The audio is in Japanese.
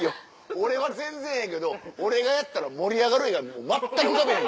俺は全然ええけど俺がやったら盛り上がる画が全く浮かべへん。